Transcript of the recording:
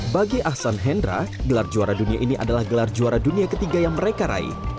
bagi ahsan hendra gelar juara dunia ini adalah gelar juara dunia ketiga yang mereka raih